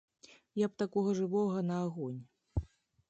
Я б такога жывога на агонь.